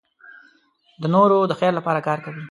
د نورو د خیر لپاره کار کوي.